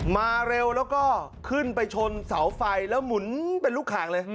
มาเร็วแล้วก็ขึ้นไปชนเสาไฟแล้วหมุนเป็นลูกขางเลย